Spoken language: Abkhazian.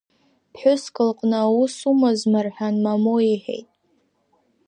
Ԥҳәыск лҟны аус умазма рҳәан, мамоу иҳәеит.